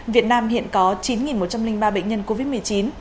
việt nam hiện có chín một trăm linh ba bệnh nhân covid một mươi chín